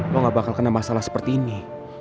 lo gak bakal kena masalah seperti ini